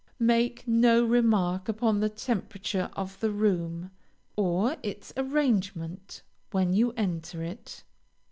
Make no remark upon the temperature of the room, or its arrangement, when you enter it.